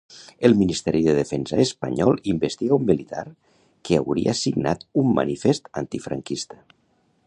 El Ministeri de Defensa espanyol investiga un militar que hauria signat un manifest antifranquista.